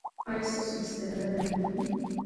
ایا ستاسو بستره به نرمه نه وي؟